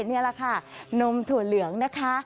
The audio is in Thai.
นี่แหละค่ะนมถั่วเหลืองนะคะ